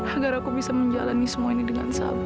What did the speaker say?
agar aku bisa menjalani semua ini dengan sabar